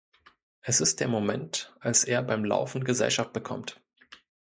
Es ist der Moment, als er beim Laufen Gesellschaft bekommt.